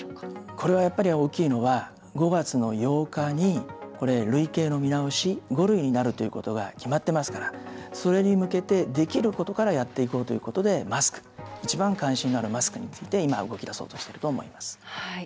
これは大きいのは５月の８日に類型の見直し、５類になることが決まってますからそれに向けてできることからやっていこうということでマスク、一番関心のあるマスクについて動きだそうとしていると思います。